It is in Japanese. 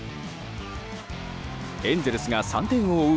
エンゼルスが３点を追う